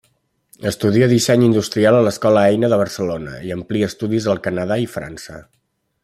Estudia disseny industrial a l'Escola Eina de Barcelona i amplia estudis al Canadà i França.